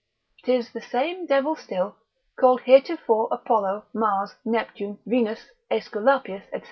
'Tis the same devil still, called heretofore Apollo, Mars, Neptune, Venus, Aesculapius, &c.